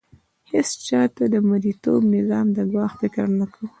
هیڅ چا د مرئیتوب نظام د ګواښ فکر نه کاوه.